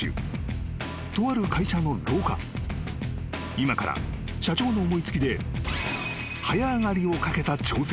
［今から社長の思い付きで］